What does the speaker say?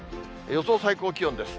予想最高気温です。